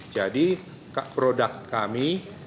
jadi produk kami